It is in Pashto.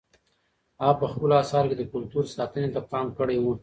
هغه په خپلو اثارو کې د کلتور ساتنې ته پام کړی و.